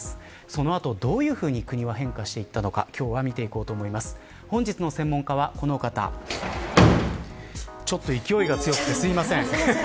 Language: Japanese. その後どういうふうに国は変化していったのか今日は見ていこうと思います本日の専門家はこの方ちょっと勢いが強くてすいません。